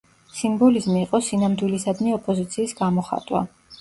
სიმბოლიზმი იყო სინამდვილისადმი ოპოზიციის გამოხატვა.